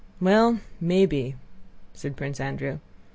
"Well, maybe!" said Prince Andrew.